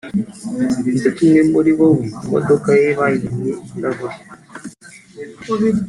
ndetse umwe muribo we imodoka ye bayimennye ibirahure